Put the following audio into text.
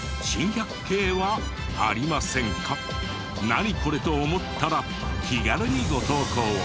「ナニコレ？」と思ったら気軽にご投稿を。